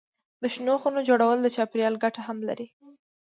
د شنو خونو جوړول د چاپېریال ګټه هم لري.